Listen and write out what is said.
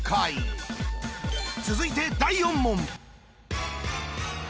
続いて第４問。